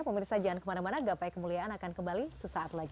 pemirsa jangan kemana mana gapai kemuliaan akan kembali sesaat lagi